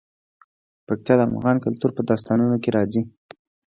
پکتیا د افغان کلتور په داستانونو کې راځي.